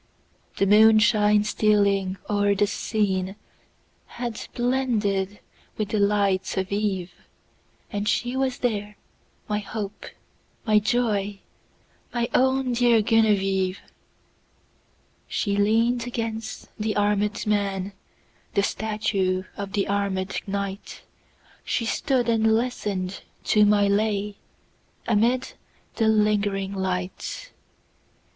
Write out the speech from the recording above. The moonshine stealing o'er the sceneHad blended with the lights of eve; And she was there, my hope, my joy, My own dear Genevieve! She lean'd against the armèd man, The statue of the armèd knight; She stood and listen'd to my lay, Amid the lingering light.